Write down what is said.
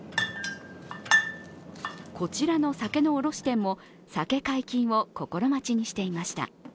こちらの酒の卸店も酒解禁を心待ちにしていました。